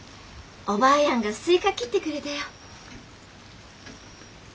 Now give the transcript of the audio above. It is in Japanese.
おばぁやんがスイカ切ってくれたよ。